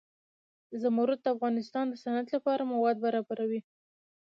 زمرد د افغانستان د صنعت لپاره مواد برابروي.